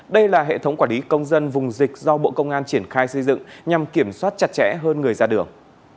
đây là hệ thống quản lý công dân vùng dịch do bộ công an triển khai xây dựng nhằm kiểm soát chặt chẽ hơn người ra đường